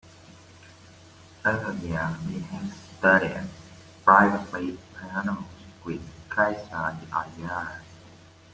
Earlier he had studied privately piano with Kaisa Arjava.